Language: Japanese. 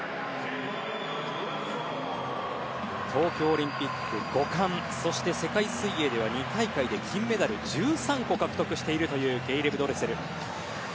東京オリンピック５冠そして世界水泳では２大会で銀メダルを１３個獲得しているというケイレブ・ドレセル。